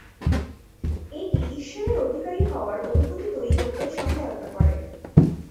এটি ""ঈশ্বরের অধিকারী"" হওয়ার অনুভূতি তৈরি করতে সহায়তা করে।